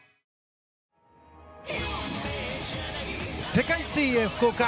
世界水泳福岡